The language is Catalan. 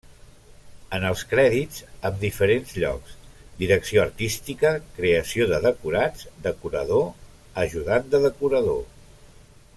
En els crèdits, amb diferents llocs: direcció artística, creació de decorats, decorador, ajudant de decorador.